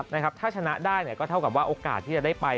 ถ้าชนะได้ก็เท่ากับว่าโอกาสที่จะได้ไป